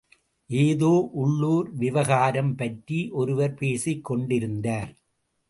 ஏதோ உள்ளுர் விவகாரம் பற்றி ஒருவர் பேசிக் கொண்டிருந்தார்.